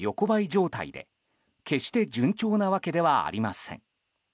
状態で決して順調なわけではありません。